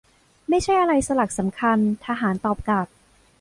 ไม่ใช่อะไรสลักสำคัญ. ทหารตอบกลับ